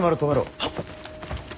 はっ！